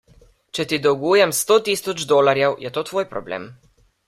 Če ti dolgujem sto tisoč dolarjev, je to tvoj problem.